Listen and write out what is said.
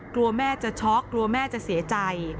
กลัวแม่จะช็อกกลัวแม่จะเสียใจ